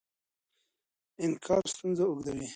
انکار ستونزه اوږدوي.